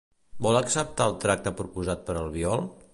Vol acceptar el tracte proposat per Albiol?